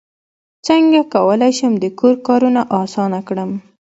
څنګه کولی شم د کور کارونه اسانه کړم